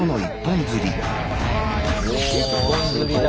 一本釣りだ。